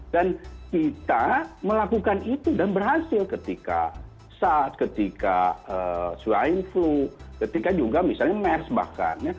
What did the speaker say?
dan kita melakukan itu dan berhasil ketika sars ketika swine flu ketika juga misalnya mers bahkan